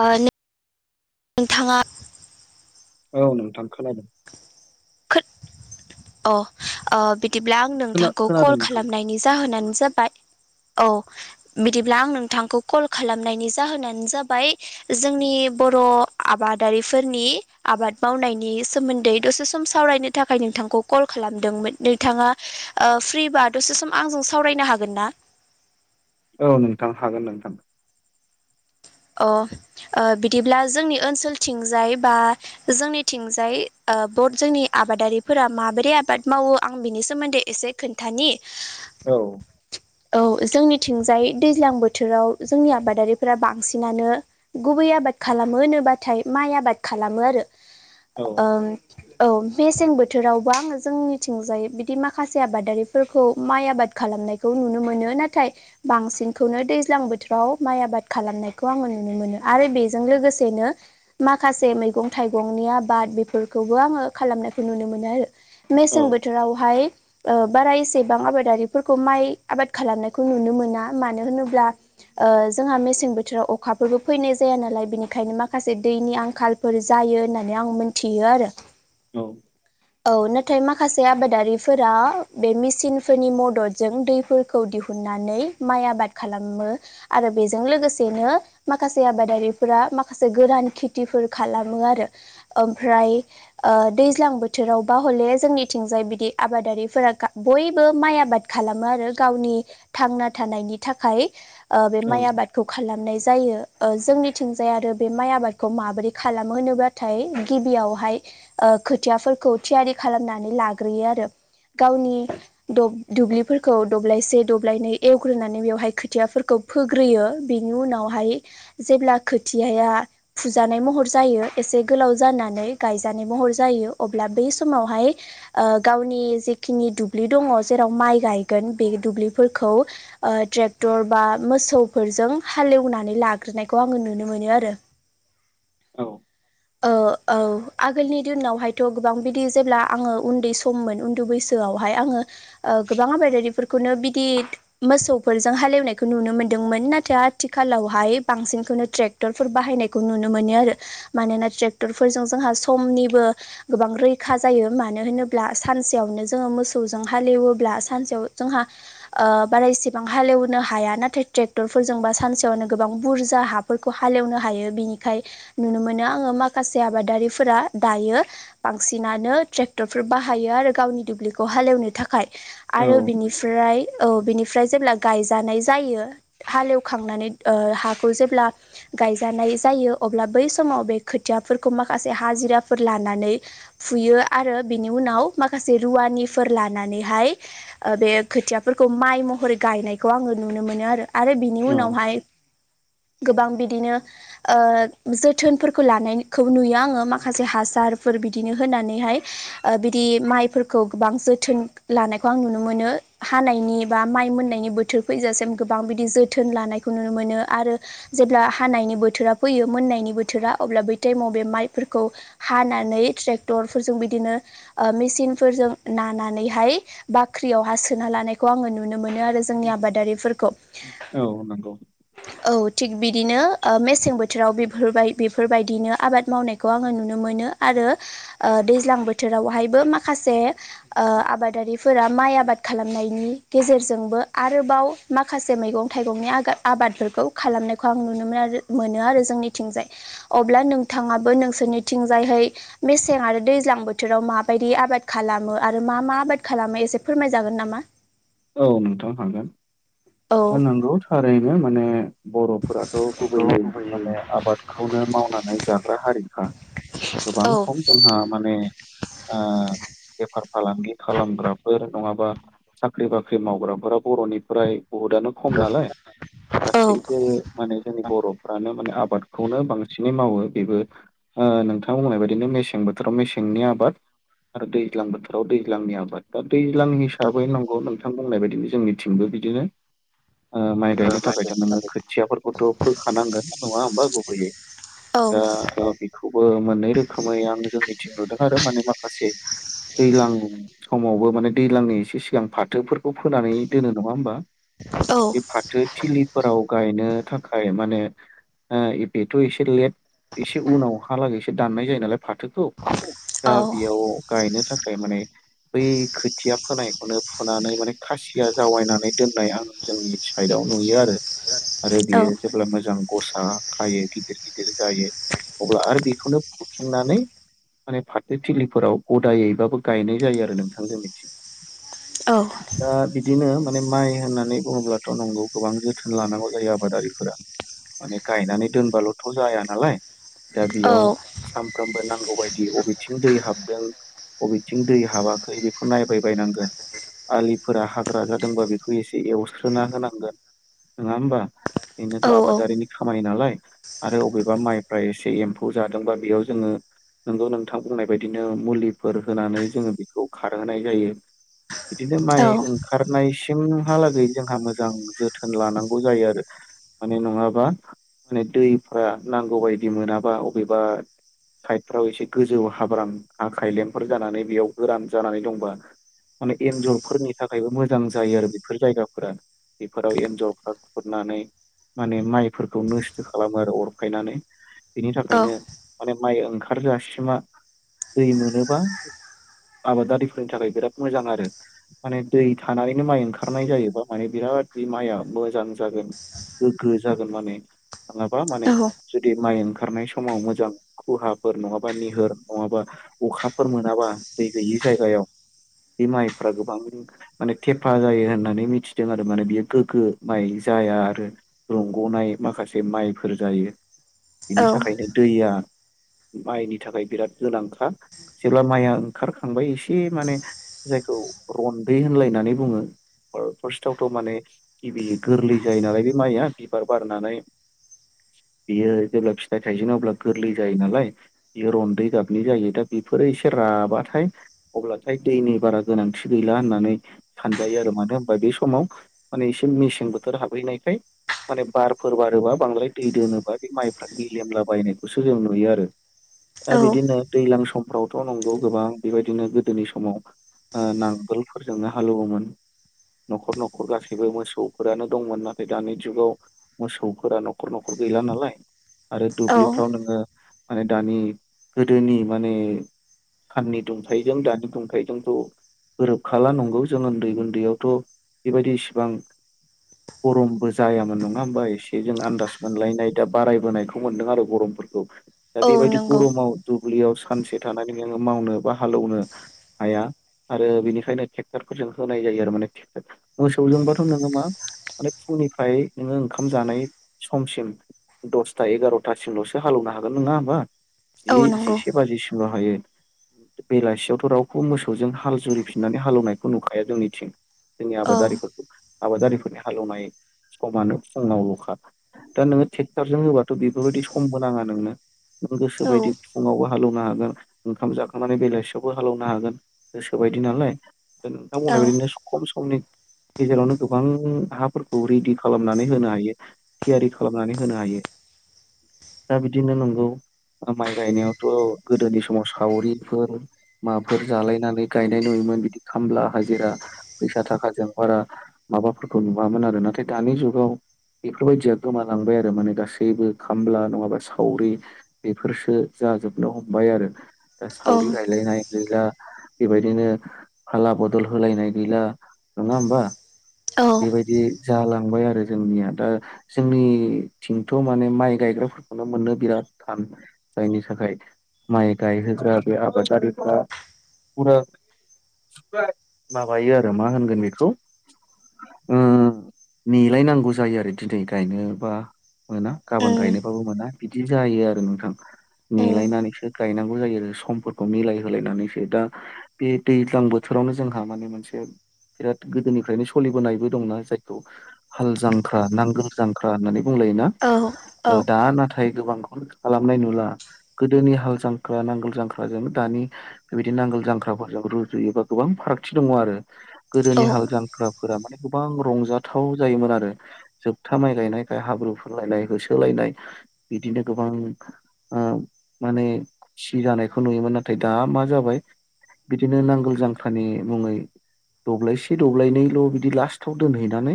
Oh no नोंथांङा औ नोंथां खोनादों। खो अ ओ बिदिब्ला आं खोना नोंथांखौ खोनादों कल नोंथां खालामनायनि जाहोनानो जाबाय बिदिब्ला आं नोंथांखौ कल खालामनायनि जाहोनानो जाबाय जोंनि बर बर' आबादारिफोरनि आबाद मावनायनि सोमोन्दै दसे सम सावरायनो थाखाय नोंथांखौ कल खालामदोंमोन नोंथांङा फ्रिबा दसे सम आंजों सावरायनो हागोन ना? [inaudible] औ नोंथां हागोन नोंथां। अ ओ बिदिब्ला जोंनि ओनसोलथिंजाय बा जोंनिथिंजाय ओ बहत जोंनि आ आबादारिफोरा माबोरै आबाद मावो आं बिनि सोमोन्दै एसे खोन्थानि। औ औव जोंनिथिंजाय दैज्लां बोथोराव जोंनि आबादारिफोरा बांसि नानो गुबै आबाद खालामो होनोबाथाय माइ आबाद खालामो आरो। औ ओं औव मेसें बोथोरावबो आंङो जोंनिथिंजाय बिदि माखासे आबादारिफोरखौ माइ आबाद खालामनायखौ नुनो मोनो नाथाय बांसिनखौनो दैज्लां बोथोराव माइ आबाद खालामनाय खौ आङो नुनो मोनो आरो बेजों लोगोसेनो माखासे मैगं थाइगंनि आबाद बेफोरखौ बो आंङो खालामनायखौ नुनो मोनो आरो मेसें औ बोथोरावहाय ओ बारा एसेबां आबादारिफोरखौ माइ आबाद खालामनायखौ नुनो मोना मानो होनोब्ला ओ जोंहा मेसें बोथो बोथोराव अखाफोरबो फैनाय जाया नालाय बेनिखायनो माखासे दैनि आंखालफोर जायो होननानै आं मोनथियो आरो औ औ नाथाय माखासे आबादारिफोरा बे मेसिन फोरनि मददजों दैफोरखौ दिहु नानै माइ आबाद खालामो आरो बेजों लोगोसे नो माखासे आबादारिफोरा माखासे गोरान खेथिफोर खालामो आरो ओमफ्राय [unintelligible] फाय ओ दैज्लां बोथोराव बा हले जोंनिथिंजाय बिदि आबादारिफोरा गा बयबो माइ आबाद खालामो आरो गावनि थांना थानायनि थाखाय ओ बे औ माइ आबादखौ [unintelligible] नाय जायो ओ जोंनिथिंजाय आरो बे माइ आबादखौ माबोरै खालामो होनोब्लाथाय गिबियाव हाय ओ खोथियाफोरखौ थियारि खालामनानै लाग्रोयो आरो। गावनि दब दुब्लिफोरखौ दब्लायसे दब्लायनै एवग्रोनानै बेवहाय खोथियाफोरखौ फोग्रोयो। बेनि उनावहाय जेब्ला खोथियाया फुजानाय महर जायो एसे गोलाव जाना गायजानाय महर जायो अब्ला बै समावहाय ओ गावनि जेखिनि दुब्लि दं जेराव माइ गायगोन बे दुब्लिफोरखौ ओ ट्रेक्टर बा मोसौफोरजों हालेवनानै लाग्रोनायखौ आंङो नुनो मोनो आरो। [inaudible] ओ औ आगोलनि दिनावहायथ' गोबां बिदि जेब्ला आंङो उन्दै सममोन उन्दै बैसो सोआवहाय आङो ओ गोबां आबादारिफोरखौनो बिदि मोसौफोरजों हालेवनायखौ नुनो मोनदों मोन नाथाय आथिखालावहाय बांसिनखौनो ट्रेक्टर फोर बाहायनायखौ नुनो मोनो आरो। मानोना ट्रेक्टर फोरजों जोंहा समनिबो गोबां रैखा जायो मानो होनोब्ला सानसेयाव जों मोसौजों हालेवोबब्ला सानसेआव जोंहा ओ बारा एसेबां हालेवनो हाया नाथ ट्रेक्टर फोरजों बा सानसेयावनो गोबां बुरजा हाफोरखौ हालेवनो हायो बिनिखाय नुनो मो बिदिनो आंङो माखासे आबादारिफोरा दायो बांसिनानो ट्रेक्टरफोर बाहायो आरो गाव दुब्लिखौ हालेवनो थाखाय आरो बिनिफ्राय औ बिनिफ्राय जेब्ला गायजानाय जायो हालेवखांनानै ओ हाखौ जेब्ला गायजानाय जायो अब्ला बै समाव बे खोथियाफोरखौ माखासे हाजिरा फोर लानानै फुयो आरो बिनि उनाव माखा माखासे रुवानिफोर लानानैहाय ओ बे खोथियाफोरखौ माइ महरै गायनायखौ आङो नुनो मोनो आरो आरो बिनि औ उनावहाय गोबां बिदिनो ओ जो थोनफोरखौ लानायखौ नुयो आङो माखासे हासारफोर बिदिनो होनानैहाय बिदि मा फोरखौ गोबां जोथोन लानायखौ आं नुनो मोनो हानायनि बा माइ मोननायनि बोथोर फैजासि जों गोबां बिदि जोथोन लानायखौ नुनो मोनो आरो जेब्ला हानायनि बोथोरा फैयो मोननायनि बो थोरा अब्ला बै टाइमाव बे माइफोरखौ हानानै ट्रेक्टरफोरजों बिदिनो ओ मेसिन फोरजों नानानैहाय बा ख्रियाव हा सोना लानायखौ आङो नुनो मोनो आरो जोंनि आबादारिफोरखौ औ नंगौ औ थिग बिदिनो ओ मेसें बोथोराव बिफोबाय बेफोरबायदिनो आबाद मावनायखौ आङो नुनो मोनो आरो ओ दैज्लां बोथोरावहायबो माखा से ओ आबादारिफोरा माइ आबाद खालामनायनि गेजेरजोंबो आरोबाव माखासे मैगं थाइगंनि आगा आबादफोरखौ खालामनायखौ आं नुनो मोनआरो मोनो आरो जोंनिथिंजाय। अब्ला नोंथाङाबो नोंसोरनिथिंजायहै मेसें आरो दैज्लां बोथोराव माबायदि आ बाद खालामो आरो मा मा आबाद खालामो एसे फोरमाय जागोन नामा? औ नोंथां औ हागोन नंगौ थारैनो माने बर'फोराथ' गुबैयै माने आबादखौनो मावनानै जाग्रा हारिखा। औ गोबां खम जोंहा माने ओ बेफार फालांगि खालामग्राफोर नङाबा साख्रि बाख्रि मावग्राफोरा बर'निफ्राय बहुदआनो खम नालाय दा औ गासैबो माने जोंनि बर'फ्रानो माने आ बादखौनो बांसिनै मावो बेबो ओ नोंथाङा बुंनाय बायदिनो मेसें बोथोराव मेसेंनि आबाद आरो दैज्लां बोथोराव दैज्लांनि आबाद दा दैज्लां हिसाबै न गौ नोंथां बुंनाय बायदिनो जोंनिथिंबो बिदिनो। ओ माइ औ गायनो थाखायथ' नोङो खोथियाफोरखौथ' फोखानांगोन नङा होमबा गुबैयै। दा ओ बेखौबो मोननै रोखोमै आं जोंनिथिं नुदों आरो माने माखासे दैज्लां समावबो माने दैज्लांनि एसे सिगां फाथोफोरखौ फोनानै दोनो नङा होमबा बे फाथो थिलिफोराव गायनो थाखाय माने ओ बेथ' एसे लेट एसे उनावहालागैसे दाननाय जायो नालाय। फाथोखौ दा बेयाव गायनो थाखाय माने बै खोथिया फोनाय फुनानै माने खासिया जावायनानै दोननाय आं जोंनि साइदआव नुयो आरो। आरो बियो जेब्ला मोजां गस ओ खायो गिदिर गिदिर जायो अब्ला आरो बेखौनो फुफिननानै माने फाथो थिलिफोराव गदायैबाबो गायनाय जायो आरो नोंथां जोंनिथिं। दा बिदिनो माने माइ होननानै बुङोब्लाथ' नंगौ गोबां जोथोन लानांगौ जायो आबादारिफोरा। माने गायनानै दोनबाल'थ' जाया नालाय दा बेयाव सानफ्रोमबो ना गौ बायदि बबेथिं दै हाबदों बबेथिं दै हाबाखै बेखौ नायबाय बयनांगोन। आलिफोरा हाग्रा जादोंबा बेखौ एसे एवस्रोना होनांगोन। नंआ ओमबा? बेनोथ' आबादारिनि खामानि नालाय आरो अबेबा माइफ्रा एसे एम्फौ जादोंबा बेयाव जोङो नोंगौ नोंथां बुंनाय बायदिनो मुलिफोर होनानै जोङो बेखौ खारहोनाय जायो। बिदिनो माइ ओंखारनाय सिमहालागै जोंहा मोजां जोथोन लानांगौ जायो आरो माने नङाबा माने दैफ्रा नांगौबायायदि मोनाबा अबेबा साइदफ्राव एसे गोजौ हाब्रां आखाइलेम्फोर जानानै बेयाव गोरान जानानै दंबा माने एन्जरफोरनि थाखायबो मोजां जायो आरो बेफोर जायगाफोरा। बेफोराव एनजरफ्रा खुरनानै माने माइफोरखौ नस्थ' खालामो आरो अरखायनानै बिनि थाखायनो माने माइ ओंख खारजासिमा दै मोनोबा आबादारिफोरनि थाखाय बिराद मोजां आरो माने दै थानानैनो माइ ओंखारनाय जायोबा माने बिराद बे माइआ मोजां जागोन। गोग्गो जागोन माने। नङाबा माने जुदि माइ ओंखारनाय समाव मोजां खुहाफोर नङाबा निहोर नङाबा अखाफोर मोनाबा दै गैयि जायगायाव‍ बे माइफ्रा गोबां माने थेफा जायो होननानै मिथिदों आरो माने बियो गोग्गो माइ जाया आरो रंग'नाय माखासे माइफोर जायो। बिनि थाखायनो दैया माइनि थाखाय बिराद गोनांखा जेब्ला माइआ ओंखारखांबाय एसे माने जायखौ रन्दै होनलायनानै बुङो। फार्स्टावथ' माने गिबि गोरलै जायो नालाय बे माइआ बिबार बारनानै बियो जेब्ला फिथाइ थाइजेनो अब्ला गोरलै जायो नालाय बियो रन्दै गाबनि जायो दा बेफोरो एसे राबाथाय अब्ला दैनि बारा गोनांथि गैला होननानै सानजायो आरो मानो होनबा बे समाव माने मेसें बोथोर हाबहैनायखाय माने बारफोर बारोबा बांद्राय दै दोनोबा बे माइफ्रा गेलेमला बायनायखौसो जों नुयो आरो दा बिदिनो दैज्लां समफ्रावथ' नंगौ गोबां बेबायदिनो गोदोनि समाव नांगोलफोरजोंनो हाल एवोमोन। न'खर न'खर गासैबो मोसौफोरानो दंमोन नाथाय दानि जुगाव मोसौफोरा न'खर न'खर गैला नालाय आरो दुब्लिफ्राव नोङो माने दानि गोदोनि माने साननि दुंथायजों दानि दुंथायजोंथ' गोरोबखाला नंगौ जों उन्दै उन्दैयावथ' बेबायदि इसिबां गरमबो जायामोन नङा होमबा एसे जों आन्दास मोनलायनाय दा बारायबोनायखौ मोनदों आरो गरम फोरखौ दा बेबायदि नंगौ गरमाव दुब्लियाव सानसे थानानै नोङो मावनो बा हालौनो हाया। आरो बेनिखायनो ट्रेक्ट'रफोरजों होनाय जायो आरो माने मोसौजोंबाथ' नोङो मा माने फुंनिफ्राय नोङो ओंखाम जानाय समसिम दसथा एगार'थासिमल'सो हाल एवो हागोन नङा होमबा औ जुदि नंगौ जिसे बाजिसिमल' हायो बेलासियावथ' रावबो मोसौजों हाल जुरिफिननानै हालौनायखौ नुखाया जोंनिथिं जोंनि औ आबादारिफोरखौ आबादारिफोरनि हालेवनाय समानो फुङावल'खा दा नोङो ट्रेक्ट'रजों होबाथ' बेफोरबायदि समबो नाङा नोंनो गोसो औ बायदि फुङावबो हालौनो हागोन ओंखाम जाखांनानै बेलासियावबो हालौनो हागोन गोसोबायदि नालाय नोंथांमोननाय औ बेदिनो खम समनि गेजेरावनो गोबां हाफोरखौ रेडि खालामनानै होनो हायो थियारि खालामनानै होनो हायो। लांदां दा बिदिनो नंगौ माइ गायनायावथ' गोदोनि समाव सावरिफोर माबाफोर जालायनानै गायनाय नुयोमोन बिदि खामला हाजिरा फैसा थाखाजों बारा हाबाफोरखौ नुवामोन आरो नाथाय दानि जुगाव बेफोरबायदिया गोमालांबाय आरो माने गासैबो खामला नङाबा सावरि बेफोरसो जाजोबनो हमबाय आरो दा औ सावरि गायलायनाय गैला बेबायदिनो फाला बदल होलायनाय गैला नङा होमबा बेबायदि जालांबाय आरो जोंनिया दा जोंनि थिंथ' माने माइ गायग्राफोरखौनो मोननो बिराद थान जायनि थाखाय माइ गायहोग्रा बे आबादारिफ्रा फुरा माबायो आरो मा होनगोन बेखौ ओ नेलायनांगौ जायो आरो दिनै गायनोबा मोना गाबोन गायनोबाबो मोना बिदि जायो आरो नोंथां नेलायनानैसो गायनांगौ। जायो समफोरखौ मिलाय होलायनानैसो दा बे दैज्लां बोथोरावनो जोंहा माने मोनसे बिराद गोदोनिफ्रायनो सोलिबोनायबो दंना जायखौ हाल जांख्रा नांगोल जांख्रा होननानै। बुंलायोना औ दा नाथाय गोबां खालामनाय नुला गोदोनि हाल जांख्रा नांगोल जांख्राजों दानि बेबायदि नांगोल जांख्राफोरजों रुजुयोबा गोबां फारागथि दङ आरो गोदोनि हाल जांख्रा फोर माने गोबां रंजाथाव जायोमोन आरो जोबथा माइ गायनायखाय हाब्रुफोर लायनाय होसोलायनाय दायो बिदिनो गोबां ओ माने सि दानायखौ नुयोमोन नाथाय दा मा जाबाय बिदिनो नांगोल जांख्रानि मुंङै दब्लायसे दब्लायनैल' बिदि लास्टआव दोनहैनानै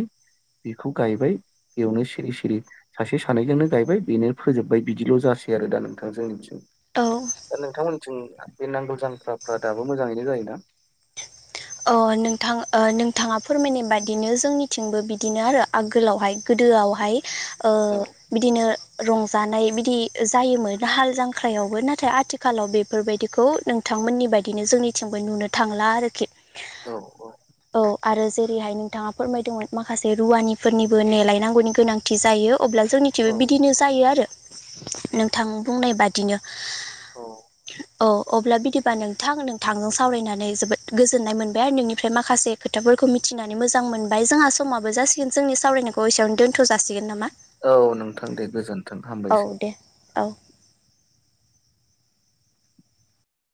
बेखौ गायबाय। बेयावनो सिरि सिरि सासे सानैजोंनो गायबाय बेनो फोजोबबाय बिदिल' जासै आरो दा नोंथांजोंनिथिं। औ दा नोंथांमोनथिं बे नांगोल जांख्राफ्रा दाबो मोजांङैनो जायोना? अ नोंथां ओ नोंथांङा फोरमायनाय बादिनो जोंनिथिंबो बिदिनो आरो आगोलावहाय गोद दोआवहाय ओ औ बिदिनो रंजानाय बिदि जायोमोन दा हाल जांख्रायावबो नाथाय आथिखालाव बेफोरबायदिखौ नोंथां नोंथांमोननि बायदिनो जोंनिथिंबो नुनो थांला आरोखि। औ औ औ आरो जेरैहाय नोंथांङा फोरमायदोंमोन माखासे रुवानिफोरनिबो नेलायनांगौनि गोनांथि जायो अब्ला जों निथिंबो औ बिदिनो जायो आरो नोंथां बुंनाय बादिनो। औ औ अब्ला बिदिबा नोंथां नोंथांजों सावरायनानै जोबोद गोजोन गोजोननाय मोनबाय आरो नोंनिफ्राय माखासे खोथाफोरखौ मिथिनानै मोजां मोनबाय जोंहा समाबो जासिगोन जोंनि सावरायनायखौ। बेसेयावनो दोनथ' जासिगोन नामा? औ नोंथां दे गोजोन्थों औ हामबायसै। दे औ